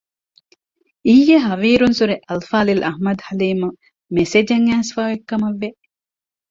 އިއްޔެ ހަވީރުއްސުރެ އަލްފާޟިލް އަޙްމަދު ޙަލީމަށް މެސެޖެއް އައިސްފައި އޮތް ކަމަށް ވެ